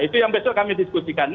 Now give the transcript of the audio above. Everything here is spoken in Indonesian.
itu yang besok kami diskusikan